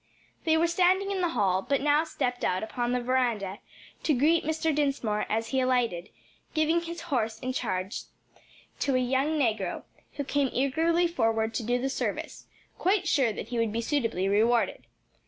They were standing in the hall, but now stepped out upon the veranda to greet Mr. Dinsmore as he alighted, giving his horse in charge to a young negro who came eagerly forward to do the service, quite sure that he would be suitably rewarded.